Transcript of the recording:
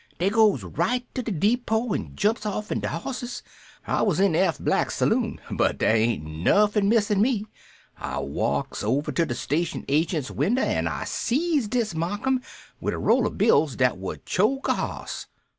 Dey goes right to de depoh an' jumps offen de hosses. I wuz in Eph Black's saloon, but dar ain't nuffin missin' me. I walks over to de station agent's winder an' I sees dis Marcum wid a roll o' bills dat would choke a hoss.